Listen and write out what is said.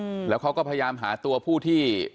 อืมแล้วเขาก็พยายามหาตัวผู้ที่